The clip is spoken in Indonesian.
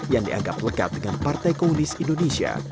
yang dianggap lekat dengan partai komunis indonesia